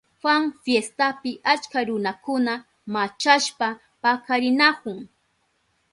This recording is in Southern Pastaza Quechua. Juan fiestapi achka runakuna machashpa pakarinahun.